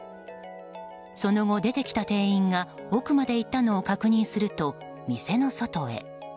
その後、出てきた店員が奥まで行ったのを確認すると店の外へ。